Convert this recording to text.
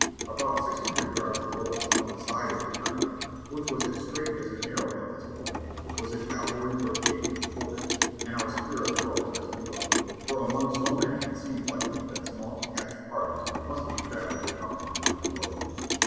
About six hundred yards be low us, on the side of the turnpike, which was as straight as an arrow at this point, was a cavalry brigade in quarters, and our spirits rose as we looked, for among so many it seemed likely that small detached parties must be traveling up and down the road.